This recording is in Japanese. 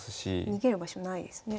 逃げる場所ないですね。